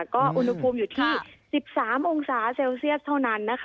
ก็อุณหภูมิอยู่ที่๑๓องศาเซลเซียสเท่านั้นนะคะ